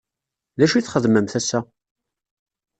D acu i txedmemt ass-a?